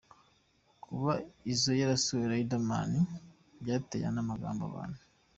Kuba Izzo yarasuye Riderman, byatewe n’amagambo y’abantu.